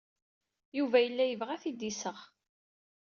Yuba yella yebɣa ad t-id-iseɣ.